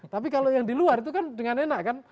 tapi kalau yang di luar itu kan dengan enak kan